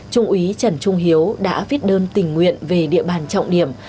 trung úy trần trung hiếu đã viết đơn tình nguyện về địa bàn trọng điểm